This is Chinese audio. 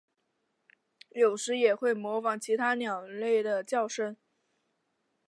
有时也会模仿其他鸟类的叫声。